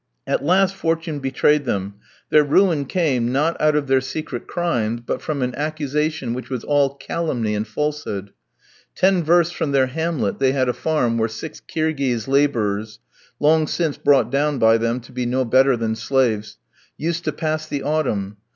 At last fortune betrayed them; their ruin came, not out of their secret crimes, but from an accusation which was all calumny and falsehood. Ten versts from their hamlet they had a farm where six Kirghiz labourers, long since brought down by them to be no better than slaves, used to pass the autumn.